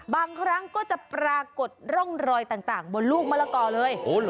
บางครั้งก็จะปรากฏร่องรอยต่างบนลูกมะละกอเลย